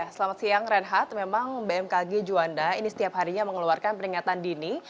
selamat siang renhat memang bmkg juanda ini setiap harinya mengeluarkan peringatan dini